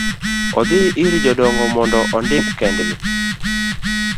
odhi ir jodongo mondo ondik kendgi.